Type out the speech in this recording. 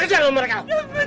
nanti kita makan